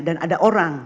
dan ada orang